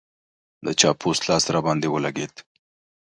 د چا پوست لاس راباندې ولګېد.